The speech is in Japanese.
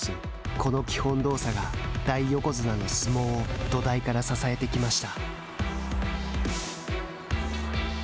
この基本動作が大横綱の相撲を土台から支えてきました。